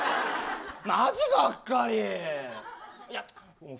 マジ、がっかり。